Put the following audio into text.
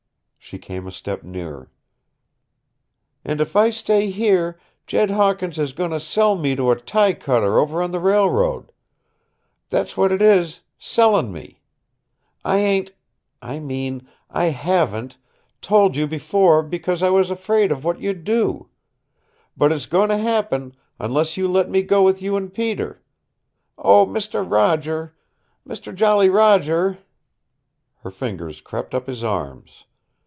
She came a step nearer. "And if I stay here Jed Hawkins is goin' to sell me to a tie cutter over on the railroad. That's what it is sellin' me. I ain't I mean I haven't told you before, because I was afraid of what you'd do. But it's goin' to happen, unless you let me go with you and Peter. Oh, Mister Roger Mister Jolly Roger " Her fingers crept up his arms.